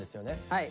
はい。